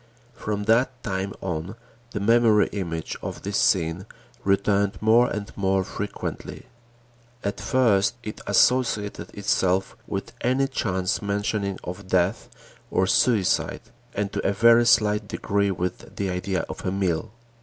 From that time on, the memory image of this scene returned more and more frequently. At first it associated itself with any chance mentioning of death or suicide and to a very slight degree with the idea of a meal.